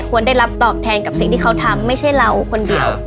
ได้รับตอบแทนกับสิ่งที่เขาทำไม่ใช่เราคนเดียว